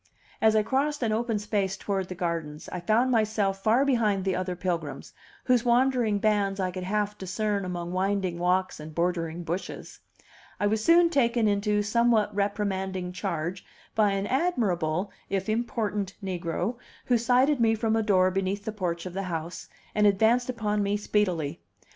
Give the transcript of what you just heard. As I crossed an open space toward the gardens I found myself far behind the other pilgrims, whose wandering bands I could half discern among winding walks and bordering bushes. I was soon taken into somewhat reprimanding charge by an admirable, if important, negro, who sighted me from a door beneath the porch of the house, and advanced upon me speedily.